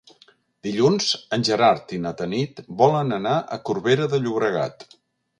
Dilluns en Gerard i na Tanit volen anar a Corbera de Llobregat.